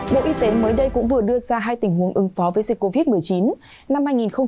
bộ y tế mới đây cũng vừa đưa ra hai tình huống ứng phó với dịch covid một mươi chín năm hai nghìn hai mươi hai hai nghìn hai mươi ba